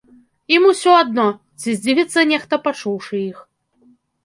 Ім усё адно, ці здзівіцца нехта, пачуўшы іх.